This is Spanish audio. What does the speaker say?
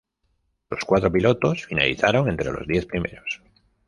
Otros cuatro pilotos finalizaron entre los diez primeros.